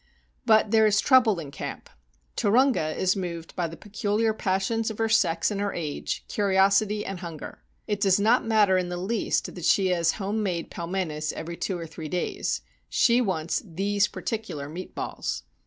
But there is trouble in camp. Turunga is moved by the peculiar passions of her sex and her age, curiosity and hunger. It does not matter in the least that she has home made pelmenes every two or three days — she wants these particular meat balls.